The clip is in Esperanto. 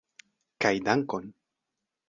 Kaj dankon!